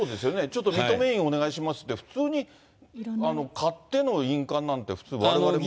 ちょっと認め印お願いしますって、普通に買っての印鑑なんて、普通、われわれも。